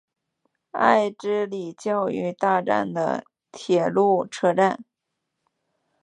爱之里教育大站的铁路车站。